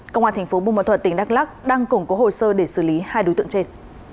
công an tp bù màu thuật tỉnh đắk lắc đang củng cố hồ sơ để xử lý hai đối tượng trên